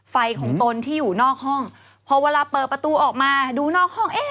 ไฟของตนที่อยู่นอกห้องพอเวลาเปิดประตูออกมาดูนอกห้องเอ๊ะ